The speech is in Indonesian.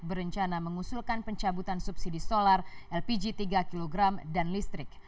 berencana mengusulkan pencabutan subsidi solar lpg tiga kg dan listrik